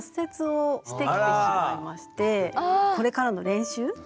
これからの練習。